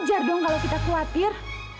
wajar dong kalau kita khawatir